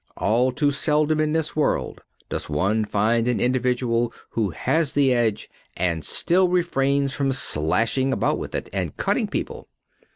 All too seldom in this world does one find an individual who has the edge and still refrains from slashing about with it and cutting people.